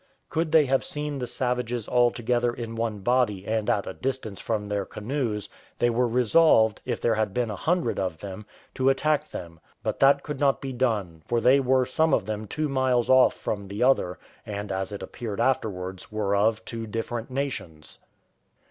Could they have seen the savages all together in one body, and at a distance from their canoes, they were resolved, if there had been a hundred of them, to attack them; but that could not be done, for they were some of them two miles off from the other, and, as it appeared afterwards, were of two different nations.